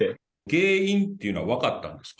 原因っていうのは分かったんですか。